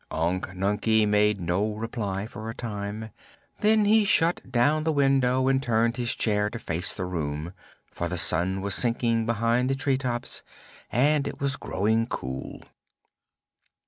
Unc Nunkie made no reply for a time. Then he shut down the window and turned his chair to face the room, for the sun was sinking behind the tree tops and it was growing cool.